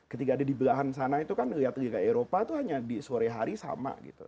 ketika ada di belahan sana itu kan lihat liga eropa itu hanya di sore hari sama gitu